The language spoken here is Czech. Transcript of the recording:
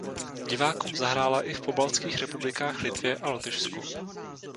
Divákům zahrála i v pobaltských republikách Litvě a Lotyšsku.